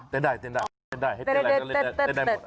เต้นได้ให้เต้นได้เต้นได้หมด